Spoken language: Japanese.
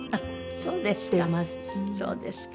そうですか。